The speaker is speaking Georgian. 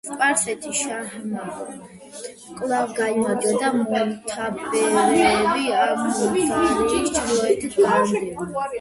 სპარსეთის შაჰმა კვლავ გაიმარჯვა და მომთაბარეები ამუდარიის ჩრდილოეთით განდევნა.